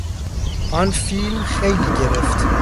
آن فیلم خیلی گرفت.